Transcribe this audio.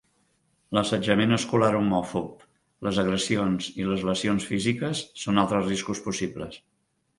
L'assetjament escolar homòfob, les agressions i les lesions físiques són altres riscos possibles.